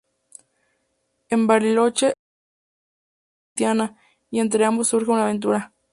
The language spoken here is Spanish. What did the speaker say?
En Bariloche, Renzo es tentado por Betiana y entre ambos surge una aventura.